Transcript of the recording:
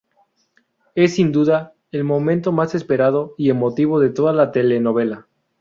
Es, sin duda, el momento más esperado y emotivo de toda la telenovela.